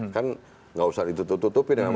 kan tidak usah ditutup tutupin